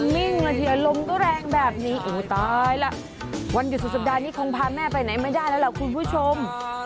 นิ่งเลยทีเดียวลมก็แรงแบบนี้อู้ตายล่ะวันหยุดสุดสัปดาห์นี้คงพาแม่ไปไหนไม่ได้แล้วล่ะคุณผู้ชม